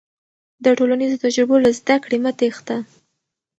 د ټولنیزو تجربو له زده کړې مه تېښته.